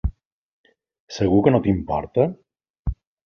¿Segur que no t'importa?